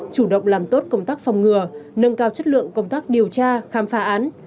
chủ động làm tốt công tác phòng ngừa nâng cao chất lượng công tác điều tra khám phá án